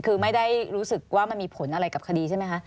คือไม่ได้รู้สึกว่ามันมีผลอะไรกับคดีใช่ไหมคะ